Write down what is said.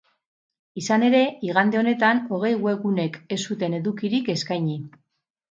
Izan ere, igande honetan hogei webgunek ez zuten edukirik eskaini.